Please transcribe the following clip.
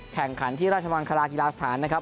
แข่งขันที่ราชมังคลากีฬาสถานนะครับ